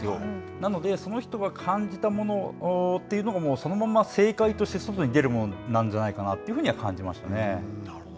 なので、その人が感じたものというのがそのまま正解として外に出るものなんじゃないかというふうには感じましたね。